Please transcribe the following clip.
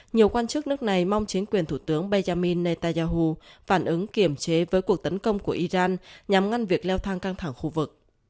nhiều quan chức nước này mong chính quyền thủ tướng benjamin netanyahu phản ứng kiểm chế với cuộc tấn công của iran nhằm ngăn việc leo thang căng thẳng khu vực